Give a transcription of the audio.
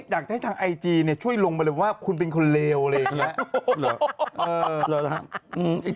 อยากให้ทางไอจีช่วยลงไปเลยว่าคุณเป็นคนเลวอะไรอย่างนี้